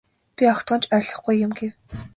Би огтхон ч ойлгохгүй юм гэв.